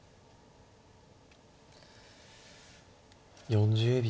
４０秒。